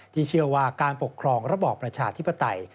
เชื่อว่าการปกครองระบอบประชาธิปไตย